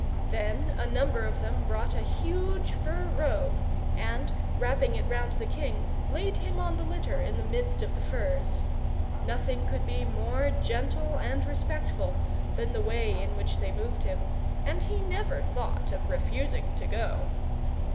Then a number of them brought a huge fur robe, and wrapping it round the king, laid him on the litter in the midst of the furs. Nothing could be more gentle and respectful than the way in which they moved him; and he never thought of refusing to go.